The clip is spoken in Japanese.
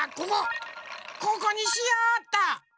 ここにしようっと。